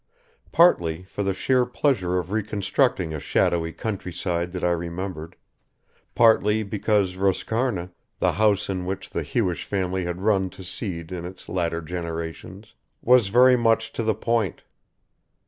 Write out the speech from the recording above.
Partly for the sheer pleasure of reconstructing a shadowy countryside that I remembered, partly because Roscarna, the house in which the Hewish family had run to seed in its latter generations, was very much to the point.